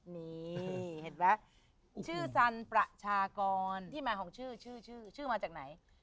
นี่เห็นปะชื่อสรรประชากรที่หมายของชื่อชื่อมาจากไหน